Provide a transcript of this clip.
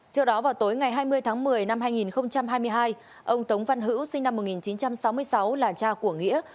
trước đó vào tối ngày hai mươi tháng một mươi năm hai nghìn hai mươi hai ông tống văn hữu sinh năm một nghìn chín trăm sáu mươi sáu là cha của nghĩa